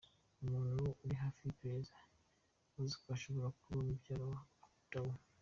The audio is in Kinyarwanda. Umuntu uri hafi y’iperereza yavuze ko ashobora kuba ari mubyara wa Abaaoud.